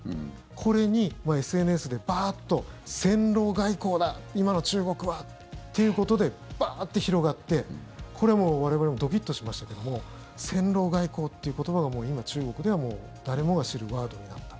これにＳＮＳでバーッと戦狼外交だ今の中国はっていうことでバーッと広がって、これは我々もドキッとしましたけども戦狼外交っていう言葉が今、中国では誰もが知るワードになった。